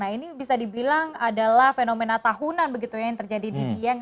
nah ini bisa dibilang adalah fenomena tahunan begitu ya yang terjadi di dieng